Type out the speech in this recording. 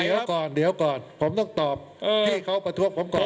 เดี๋ยวก่อนเดี๋ยวก่อนผมต้องตอบให้เขาประท้วงผมก่อน